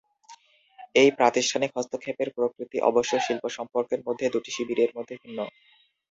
এই প্রাতিষ্ঠানিক হস্তক্ষেপের প্রকৃতি অবশ্য শিল্প সম্পর্কের মধ্যে দুটি শিবিরের মধ্যে ভিন্ন।